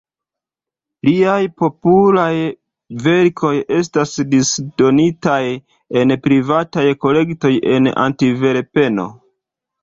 Liaj popularaj verkoj estas disdonitaj en privataj kolektoj en Antverpeno.